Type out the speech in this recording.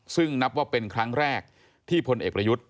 ซึ่งนับว่าเป็นครั้งแรกที่พลเอกประยุทธ์